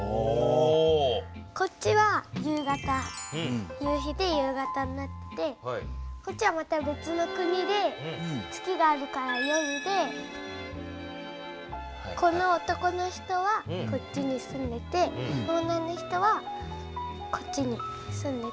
こっちは夕日で夕方になってこっちはまた別の国で月があるから夜でこの男の人はこっちに住んでてこの女の人はこっちに住んでて。